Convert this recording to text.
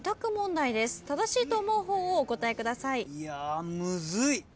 正しいと思う方をお答えください。